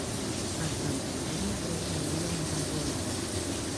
Per Sant Antoni, creix el dia un pas de dimoni.